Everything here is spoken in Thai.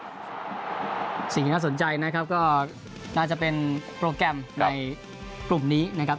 สิ่งที่น่าสนใจนะครับก็น่าจะเป็นโปรแกรมในกลุ่มนี้นะครับ